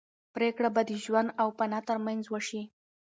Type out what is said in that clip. پرېکړه به د ژوند او فنا تر منځ وشي.